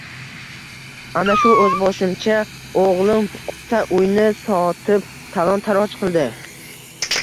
Ana shu o`zboshimcha o`g`lim ota uyni sotib talon-taroj qildi